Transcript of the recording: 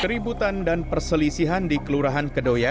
keributan dan perselisihan di kelurahan kedoya